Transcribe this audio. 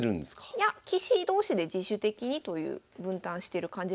いや棋士同士で自主的にという分担してる感じらしいです。